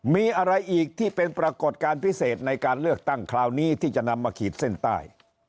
มีอะไรอีกที่เป็นปรากฏการณ์พิเศษในการเลือกตั้งคราวนี้ที่จะนำมาขีดเส้นใต้